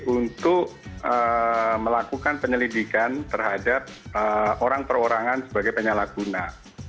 untuk melakukan penyelidikan terhadap orang perorangan sebagai penyalahguna